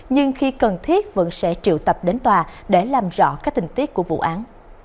nhưng khi cần thiết vẫn sẽ triệu tập đến tòa để làm rõ các tình tiết của vụ án